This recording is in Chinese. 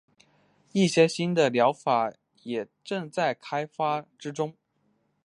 一些新的疗法也正在开发之中。